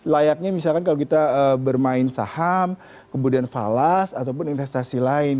layaknya misalkan kalau kita bermain saham kemudian falas ataupun investasi lain